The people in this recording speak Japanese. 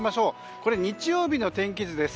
これ、日曜日の天気図です。